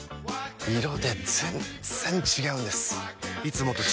色で全然違うんです！